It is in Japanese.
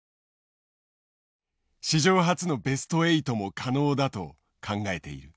史上初のベスト８も可能だと考えている。